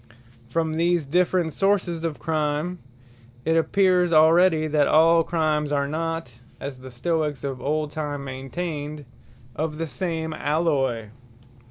Crimes Not Equall From these different sources of Crimes, it appeares already, that all Crimes are not (as the Stoicks of old time maintained) of the same allay.